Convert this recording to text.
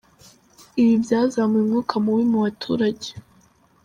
Ibi byazamuye umwuka mubi mu baturage.